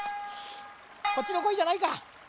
こっちのこいじゃないか。